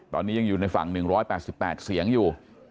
ตอนนี้ยังอยู่ในฝั่ง๑๘๘เสียงอยู่